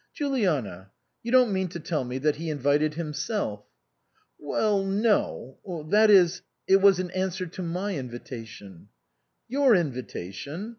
" Juliana you don't mean to tell me that he invited himself ?"" Well, no. That is it was an answer to my invitation." " Your invitation